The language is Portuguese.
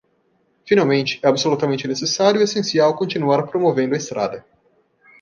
Finalmente, é absolutamente necessário e essencial continuar promovendo a estrada.